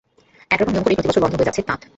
এক রকম নিয়ম করেই প্রতিবছর বন্ধ হয়ে যাচ্ছে তাঁত।